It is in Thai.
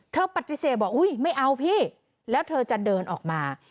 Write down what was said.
ปฏิเสธบอกอุ๊ยไม่เอาพี่แล้วเธอจะเดินออกมา